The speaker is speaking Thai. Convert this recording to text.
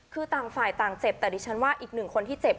คือต่างฝ่ายต่างเจ็บแต่ดิฉันว่าอีกหนึ่งคนที่เจ็บ